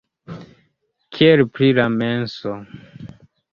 Kiel pri la menso?